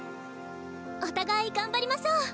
お互い頑張りましょう。